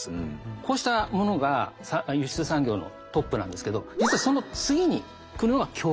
こうしたものが輸出産業のトップなんですけど実はその次に来るのが教育。